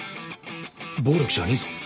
暴力じゃねえぞ。